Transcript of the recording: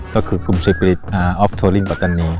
ก็คือกลุ่มเซฟริตออฟโทรลิ่งปัตตานี